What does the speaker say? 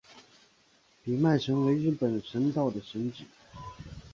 比卖神为日本神道的神只。